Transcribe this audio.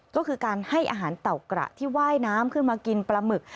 ก็คือการให้อาหารเต่ากระที่ว่ายน้ำขึ้นมากินปลาหมึก